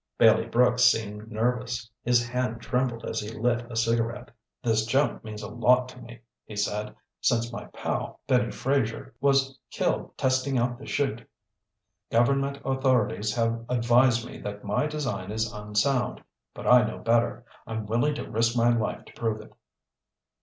Bailey Brooks seemed nervous. His hand trembled as he lit a cigarette. "This jump means a lot to me," he said. "Since my pal, Benny Fraser, was killed testing out the 'chute, government authorities have advised me that my design is unsound. But I know better. I'm willing to risk my life to prove it."